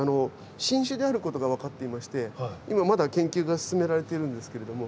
新種であることが分かっていまして今まだ研究が進められているんですけれども。